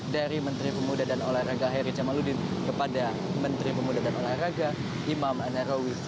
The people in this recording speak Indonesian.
dari menteri pemuda dan olahraga hairi jamaluddin kepada menteri pemuda dan olahraga hairi jamaluddin